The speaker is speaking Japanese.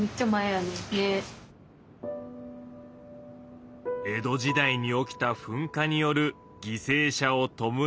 江戸時代に起きた噴火による犠牲者をとむらう供養塔だ。